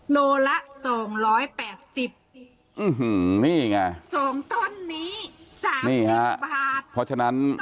โลละสองร้อยแปดสิบสองต้นนี้สามสิบบาท